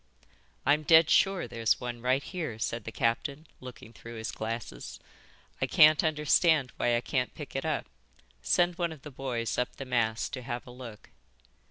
"I'm dead sure there's one right here," said the captain, looking through his glasses. "I can't understand why I can't pick it up. Send one of the boys up the mast to have a look."